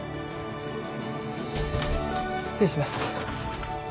失礼します。